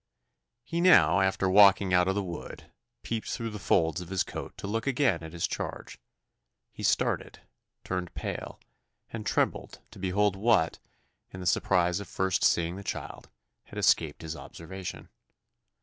He now, after walking out of the wood, peeped through the folds of his coat to look again at his charge. He started, turned pale, and trembled to behold what, in the surprise of first seeing the child, had escaped his observation.